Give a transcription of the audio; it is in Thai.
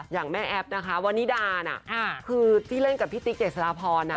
อย่างแม่แอ๊บนะคะวันนี้ด่าน่ะคือที่เล่นกับพี่ติ๊กเอกสรพรน่ะ